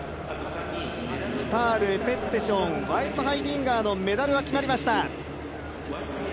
スタール、ペッテション、ワイスハイディンガーのメダルが決まりました。